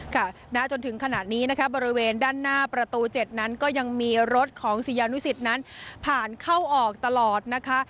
ณจนถึงขณะนี้นะคะบริเวณด้านหน้าประตู๗นั้นก็ยังมีรถของศิษยานุสิตนั้นผ่านเข้าออกตลอดนะคะ